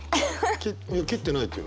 「いや切ってない」ってよ。